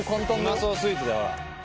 うまそうスイーツだわ。